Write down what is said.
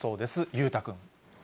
裕太君。